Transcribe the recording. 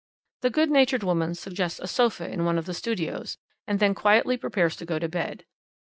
The good natured woman suggests a sofa in one of the studios, and then quietly prepares to go to bed.